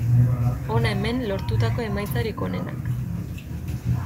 Hona hemen lortutako emaitzarik onenak.